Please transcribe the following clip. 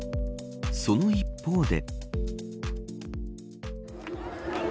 その一方で。